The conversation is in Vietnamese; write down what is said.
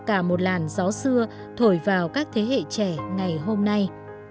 cả một làn gió xưa thổi vào các thế hệ trẻ ngày hôm nay